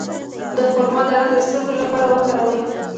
د خرما دانه د سترګو لپاره وکاروئ